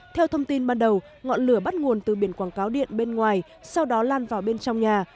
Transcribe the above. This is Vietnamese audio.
theo thông tin ban đầu ngọn lửa bắt nguồn từ biển quảng cáo điện bên ngoài sau đó lan vào bên trong nhà